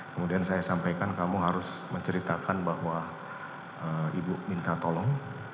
kemudian saya sampaikan kamu harus menceritakan bahwa ibu minta tolong